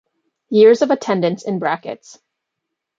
Years of attendance in brackets.